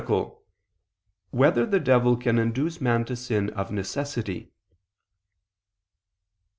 3] Whether the Devil Can Induce Man to Sin of Necessity?